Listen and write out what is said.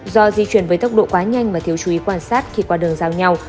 do di chuyển với tốc độ quá nhanh mà thiếu chú ý quan sát khi qua đường giao nhau